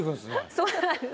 そうなんです。